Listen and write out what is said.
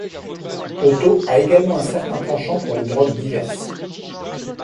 Otto a également un certain penchant pour les drogues diverses.